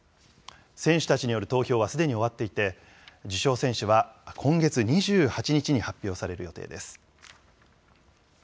選手たちによる投票はすでに終わっていて、受賞選手は今月２８日に発表される予定です。